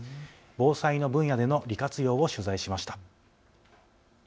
防災の分野での利活用を取材しました。